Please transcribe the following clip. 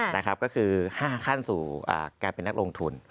นะครับก็คือ๕ขั้นสู่การเป็นนักลงทุน